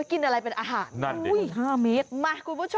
กินอะไรเป็นอาหารห้าเมตร